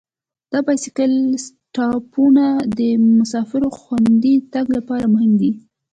د بایسکل سټاپونه د مسافرو خوندي تګ لپاره مهم دي.